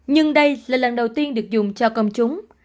nhưng đây là lần đầu tiên được dùng cho công chúng